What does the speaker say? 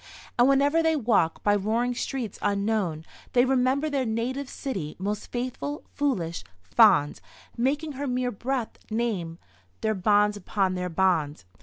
And whenever they walk "by roaring streets unknown" they remember their native city "most faithful, foolish, fond; making her mere breathed name their bond upon their bond."